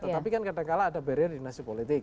tapi kan kadangkala ada barrier di nasi politik